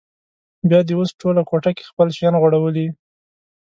بیا دې اوس ټوله کوټه کې خپل شیان غوړولي.